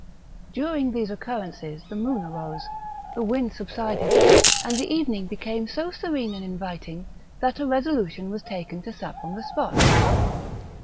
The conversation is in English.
During these occurrences the moon arose, the wind subsided, and the evening became so serene and inviting, that a resolution was taken to sup on the spot.